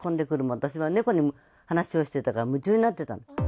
私は猫に話をしてたから、夢中になってたの。